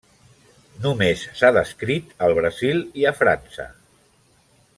Només s'ha descrit al Brasil i a França.